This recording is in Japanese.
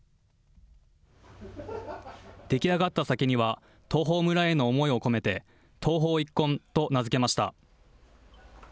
出来上がった酒には、東峰村への思いを込めて、東峰一献と名付けました。